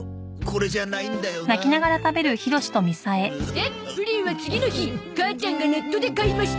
でプリンは次の日母ちゃんがネットで買いました。